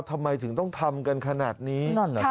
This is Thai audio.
ทำไมถึงต้องทำกันขนาดนี้